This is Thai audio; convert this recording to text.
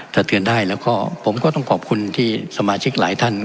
ถ้าเตือนได้แล้วก็ผมก็ต้องขอบคุณที่สมาชิกหลายท่าน